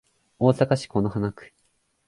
大阪市此花区